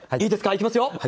いきますよ。